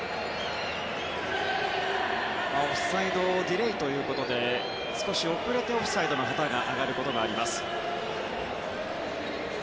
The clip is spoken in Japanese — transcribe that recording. オフサイドディレイということで少し遅れてオフサイドの旗が上がることがあります。